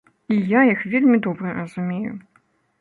І я іх вельмі добра разумею.